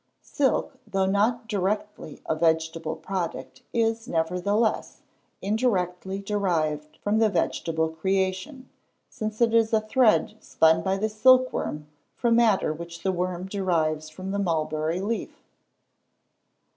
_ Silk, though not directly a vegetable product, is, nevertheless, indirectly derived from the vegetable creation, since it is a thread spun by the silk worm from matter which the worm derives from the mulberry leaf.